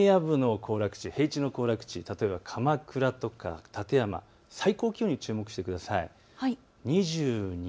平地の行楽地、例えば鎌倉とか館山、最高気温に注目してください。